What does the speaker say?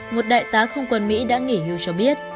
một đại tá không quân mỹ đã nghỉ hưu cho biết